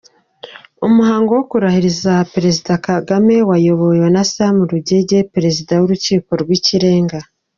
Umuhango wo kurahiza Perezida Kagame wayobowe na Sam Rugege Perezida w’Urukiko rw’ikirenga.